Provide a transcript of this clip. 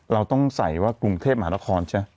เราต้องใส่ว่ากรุงเทพมหานครใช่ไหม